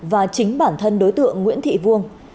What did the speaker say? và chính bản thân đối tượng nguyễn thị vuông